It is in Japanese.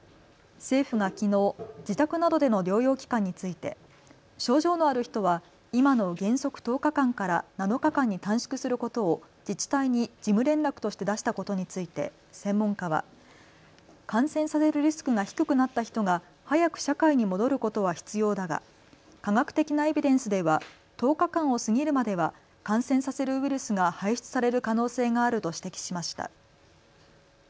政府がきのう、自宅などでの療養期間について症状のある人は今の原則１０日間から７日間に短縮することを自治体に事務連絡として出したことについて専門家は、感染させるリスクが低くなった人が早く社会に戻ることは必要だが科学的なエビデンスでは１０日間を過ぎるまでは感染させるウイルスが排出される可能性があると指摘しました。